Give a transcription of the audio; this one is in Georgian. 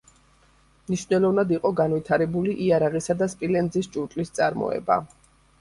მნიშვნელოვნად იყო განვითარებული იარაღისა და სპილენძის ჭურჭლის წარმოება.